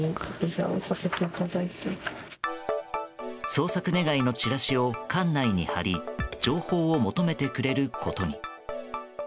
捜索願のチラシを館内に貼り情報を求めてくれることに。